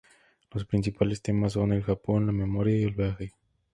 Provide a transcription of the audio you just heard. Los principales temas son el Japón, la memoria y el viaje.